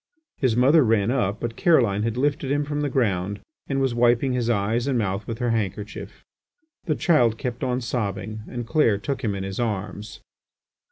His mother ran up, but Caroline had lifted him from the ground and was wiping his eyes and mouth with her handkerchief. The child kept on sobbing and Clair took him in his arms.